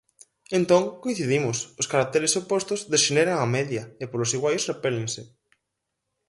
Entón, coincidimos, os caracteres opostos dexeneran á media, e polos iguais repélense.